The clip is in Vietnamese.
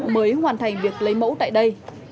mới hoàn thành việc lấy mẫu tại đây